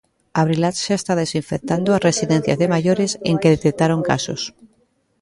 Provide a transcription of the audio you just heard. A Brilat xa está desinfectando as residencias de maiores en que detectaron casos.